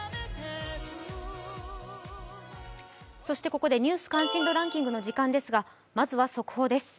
ここで「ニュース関心度ランキング」の時間ですがまずは速報です。